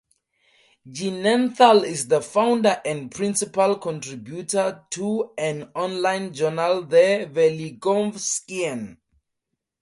Ginenthal is the founder and principal contributor to an online journal "The Velikovskian".